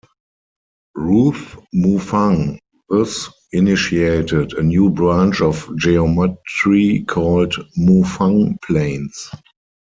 Ruth Moufang thus initiated a new branch of geometry called Moufang planes.